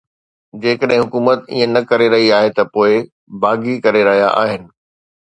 جيڪڏهن حڪومت ائين نه ڪري رهي آهي ته پوءِ باغي ڪري رهيا آهن